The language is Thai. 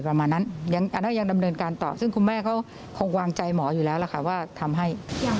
ประมาณนั้นก็ยังดำเนินการตอบซึ่งคุณแม่เขาคงวางใจหมอความว่าทำให้